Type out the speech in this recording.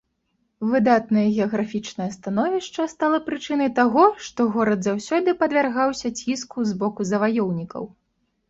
Выдатнае геаграфічнае становішча стала прычынай таго, што горад заўсёды падвяргаўся ціску з боку заваёўнікаў.